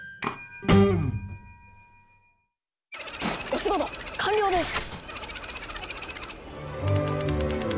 お仕事完了です！